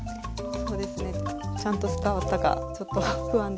そうですねちゃんと伝わったかちょっと不安ですけれども。